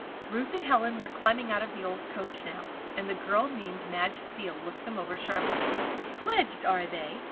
Ruth and Helen were climbing out of the old coach now, and the girl named Madge Steele looked them over sharply. "Pledged, are they?"